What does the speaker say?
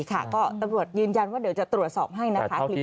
ก็ตรวจยืนยันว่าเดี๋ยวจะตรวจสอบให้นะครับคลิปนี้